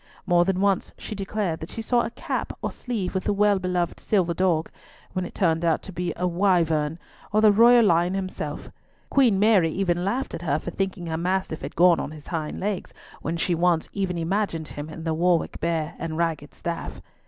More than once she declared that she saw a cap or sleeve with the well beloved silver dog, when it turned out to be a wyvern or the royal lion himself. Queen Mary even laughed at her for thinking her mastiff had gone on his hind legs when she once even imagined him in the Warwick Bear and ragged staff.